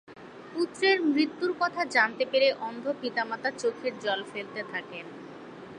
পুত্রের মৃত্যুর কথা জানতে পেরে অন্ধ পিতা-মাতা চোখের জল ফেলতে থাকেন।